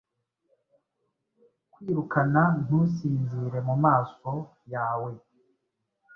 Kwirukana ntusinzire mumaso yawe,